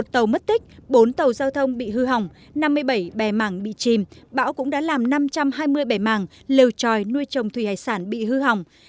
một tàu mất tích bốn tàu giao thông bị hư hỏng năm mươi bảy bè mảng bị chìm bão cũng đã làm năm trăm hai mươi bẻ màng lều tròi nuôi trồng thủy hải sản bị hư hỏng